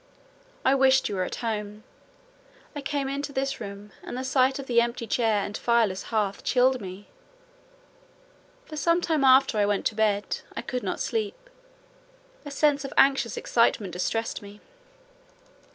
I wished you were at home. I came into this room, and the sight of the empty chair and fireless hearth chilled me. For some time after I went to bed, I could not sleep—a sense of anxious excitement distressed me.